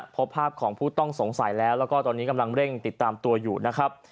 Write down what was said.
พบภาพของผู้ต้องสงสัยแล้วแล้วก็ตอนนี้กำลังเร่งติดตามตัวอยู่นะครับ